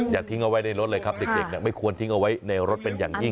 ทิ้งเอาไว้ในรถเลยครับเด็กไม่ควรทิ้งเอาไว้ในรถเป็นอย่างยิ่ง